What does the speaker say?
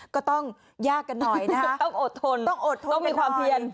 ก็ต้องยากกันหน่อยนะครับต้องอดทนต้องอดทนต้องมีความเพียน